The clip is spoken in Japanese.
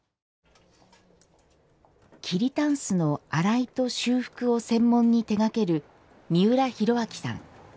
桐たんすの洗いと修復を専門に手がける、三浦弘晃さん。